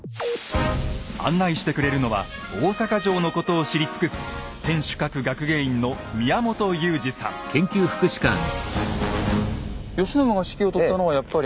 案内してくれるのは大阪城のことを知り尽くすいえ